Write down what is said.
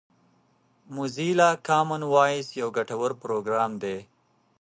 موزیلا کامن وایس یو ګټور پروګرام دی.